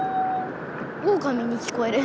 オオカミに聞こえる。